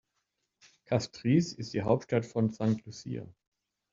Castries ist die Hauptstadt von St. Lucia.